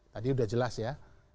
tadi udah jelas ya